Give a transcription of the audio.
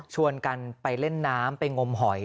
กันไปเล่นน้ำไปงมหอย